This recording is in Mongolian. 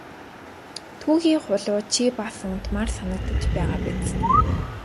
Түүхий хулуу чи бас унтмаар санагдаж байгаа биз!